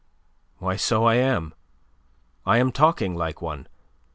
"Why, so I am. I am talking like one.